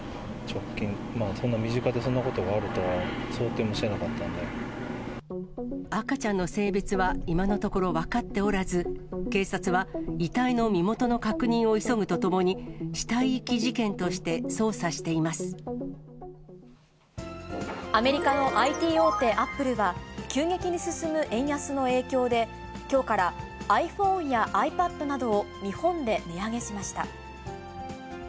身近でそんなことがあるとは想定赤ちゃんの性別は今のところ分かっておらず、警察は遺体の身元の確認を急ぐとともに、死体遺棄事件として捜査アメリカのＩＴ大手、アップルは、急激に進む円安の影響で、きょうからｉＰｈｏｎｅやｉＰａｄなどを日本で値上げしました。